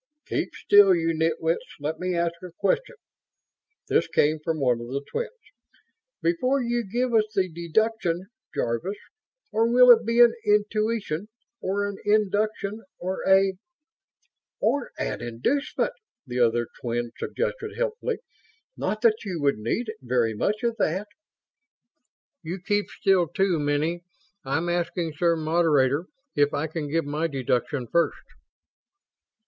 "Keep still, you nitwits! Let me ask a question!" This came from one of the twins. "Before you give us the deduction, Jarvis or will it be an intuition or an induction or a ..." "Or an inducement," the other twin suggested, helpfully. "Not that you would need very much of that." "You keep still, too, Miney. I'm asking, Sir Moderator, if I can give my deduction first?"